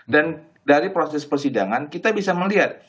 dan dari proses persidangan kita bisa melihat